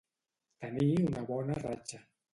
Tenir una bona ratxa.